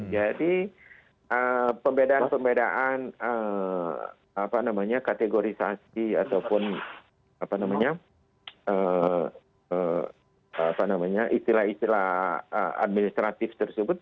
jadi pembedaan pembedaan kategorisasi ataupun istilah istilah administratif tersebut